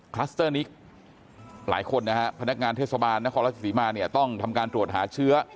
คลัสเตอร์นี้หลายคนนะฮะพนักงานเทศบาลนครราชสีมาเนี่ยต้องทำการตรวจหาเชื้อ